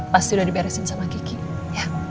pasti udah diberesin sama kiki